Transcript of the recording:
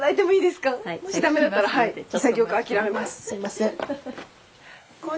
すいません。